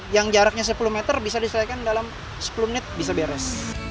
yang jaraknya sepuluh meter bisa diselesaikan dalam sepuluh menit bisa beres